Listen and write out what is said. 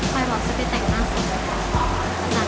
ตัวจะเรียนเป็นคำไม่อะไร